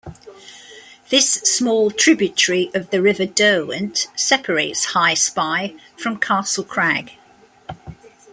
This small tributary of the River Derwent separates High Spy from Castle Crag.